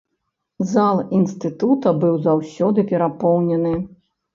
Зал інстытута быў заўсёды перапоўнены.